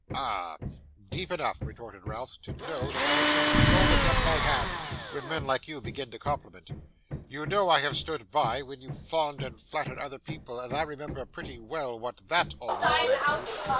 Ah!' 'Deep enough,' retorted Ralph, 'to know that I shall need all the depth I have, when men like you begin to compliment. You know I have stood by when you fawned and flattered other people, and I remember pretty well what THAT always led to.